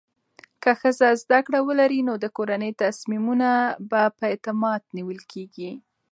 که ښځه زده کړه ولري، نو د کورنۍ تصمیمونه په اعتماد نیول کېږي.